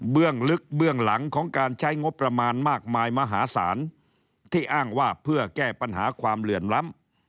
ลึกเบื้องหลังของการใช้งบประมาณมากมายมหาศาลที่อ้างว่าเพื่อแก้ปัญหาความเหลื่อมล้ำ